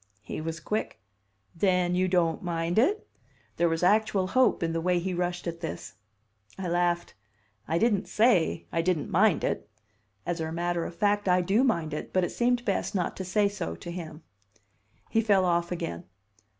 He was quick. "Then you don't mind it?" There was actual hope in the way he rushed at this. I laughed. "I didn't say I didn't mind it." (As a matter of fact I do mind it; but it seemed best not to say so to him.) He fell off again.